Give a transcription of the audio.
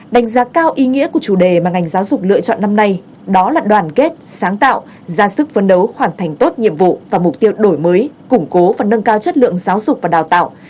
đánh giá cao ý nghĩa của chủ đề mà ngành giáo dục lựa chọn năm nay đó là đoàn kết sáng tạo ra sức vấn đấu hoàn thành tốt nhiệm vụ và mục tiêu đổi mới củng cố và nâng cao chất lượng giáo dục và đào tạo